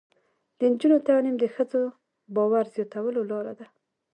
د نجونو تعلیم د ښځو باور زیاتولو لاره ده.